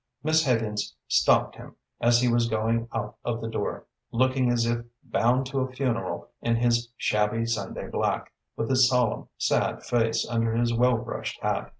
Miss Higgins stopped him as he was going out of the door, looking as if bound to a funeral in his shabby Sunday black, with his solemn, sad face under his well brushed hat.